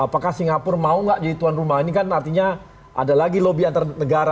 apakah singapura mau gak jadi tuan rumah ini kan artinya ada lagi lobby antar negara